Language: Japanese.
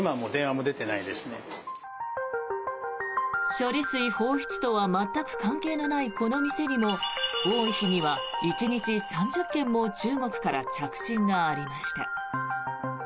処理水放出とは全く関係のないこの店にも多い日には１日３０件も中国から着信がありました。